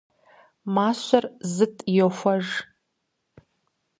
Мащэр зытӀ йохуэж.